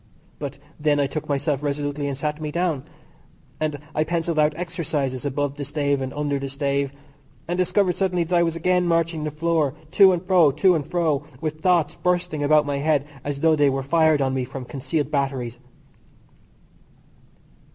But then I took myself resolutely and sat me down, and I pencilled out exercises above the stave, and under the stave; and discovered suddenly that I was again marching the floor, to and fro, to and fro, with thoughts bursting about my head as though they were fired on me from concealed batteries.